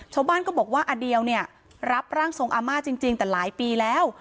ชาวบ้านก็บอกว่าอเดียวเนี่ยรับร่างทรงอาม่าจริงแต่หลายปีแล้ว